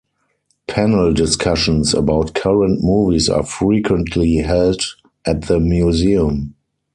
Panel discussions about current movies are frequently held at the museum.